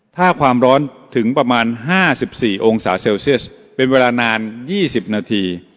ถ้าความร้อนถึงประมาณ๕๔องศาเซลเซียสเป็นเวลานาน๒๐นาที